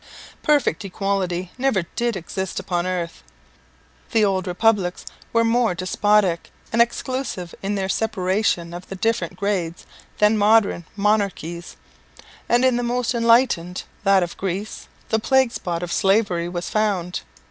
Perfect equality never did exist upon earth. The old republics were more despotic and exclusive in their separation of the different grades than modern monarchies; and in the most enlightened, that of Greece, the plague spot of slavery was found.